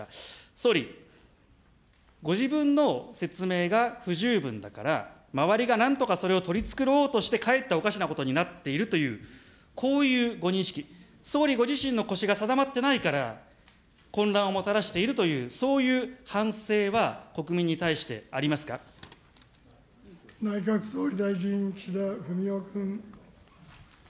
総理、ご自分の説明が不十分だから、周りがなんとかそれを取り繕おうとして、かえっておかしなことになっているという、こういうご認識、総理ご自身の腰が定まってないから、混乱をもたらしているという、そういう反省は国民に対し内閣総理大臣、岸田文雄君。